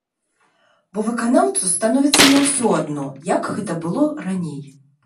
Бо выканаўцу становіцца не ўсё адно, як гэта было раней.